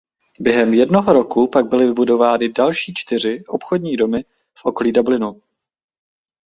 Během jednoho roku pak byly vybudovány další čtyři obchody v okolí Dublinu.